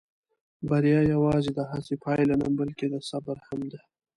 بریا یواځې د هڅې پایله نه، بلکې د صبر هم ده.